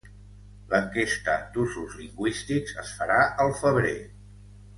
L'enquesta d'usos lingüístics es farà al febrer.